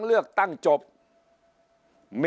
ฝ่ายชั้น